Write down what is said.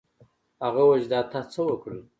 هغه وویل چې دا تا څه وکړل.